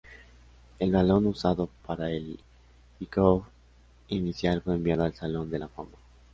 El balón usado para el kickoff inicial fue enviado al Salón de la Fama.